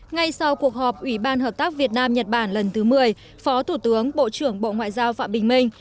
ngay sau cuộc họp ủy ban hợp tác việt nam nhật bản lần thứ một mươi phó thủ tướng bộ trưởng bộ ngoại giao phạm bình minh